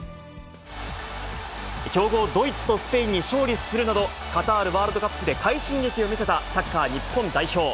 強豪ドイツとスペインに勝利するなど、カタールワールドカップで快進撃を見せたサッカー日本代表。